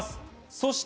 そして。